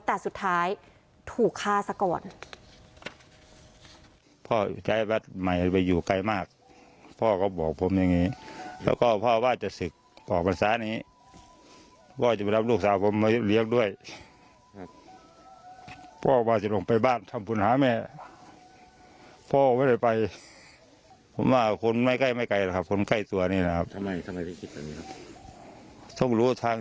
แต่สุดท้ายถูกฆ่าซะก่อน